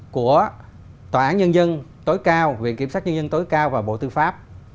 của tòa án nhân dân tối cao viện kiểm sát nhân dân tối cao và bộ tư pháp